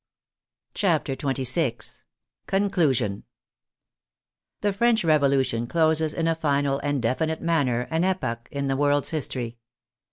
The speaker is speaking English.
CHAPTER XXVI CONCLUSION The French Revolution closes in a final and definite manner an epoch in the world's history.